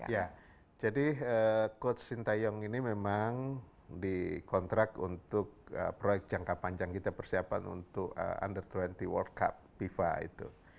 ya jadi coach sintayong ini memang dikontrak untuk proyek jangka panjang kita persiapan untuk under dua puluh world cup fifa itu